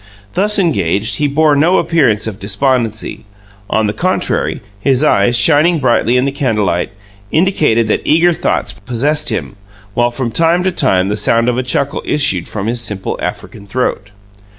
Thus engaged, he bore no appearance of despondency; on the contrary, his eyes, shining brightly in the candlelight, indicated that eager thoughts possessed him, while from time to time the sound of a chuckle issued from his simple African throat.